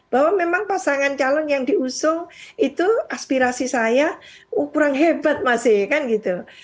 bahwa memang pasangan calon yang diusung itu aspirasi saya kurang hebat masih kan gitu